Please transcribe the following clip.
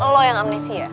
lo yang amnesia